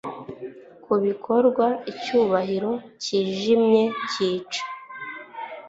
kubikorwa, icyubahiro cyijimye cyica